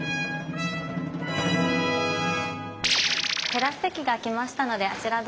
テラス席が空きましたのであちらどうぞ。